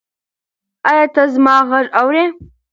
ایا ته زما غږ اورې؟